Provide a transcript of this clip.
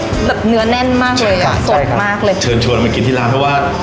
แบบเนื้อแน่นมากเลยอ่ะสดมากเลยเชิญชวนเรามากินที่ร้านเพราะว่า